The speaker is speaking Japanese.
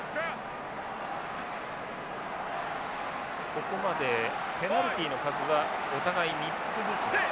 ここまでペナルティの数はお互い３つずつです。